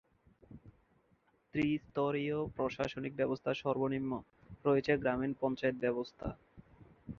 ত্রিস্তরীয় প্রশাসনিক ব্যবস্থার সর্বনিম্ন রয়েছে গ্রামীণ পঞ্চায়েত ব্যবস্থা।